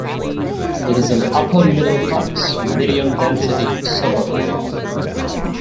It is an upper middle class, medium-density suburb.